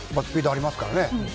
スピードありますからね。